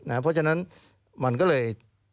เพราะฉะนั้นมันก็เลย